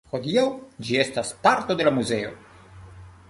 Hodiaŭ ĝi estas parto de la muzeo.